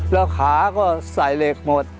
แล้วขาก็ใส่เหล็กหมด